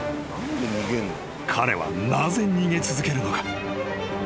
［彼はなぜ逃げ続けるのか？］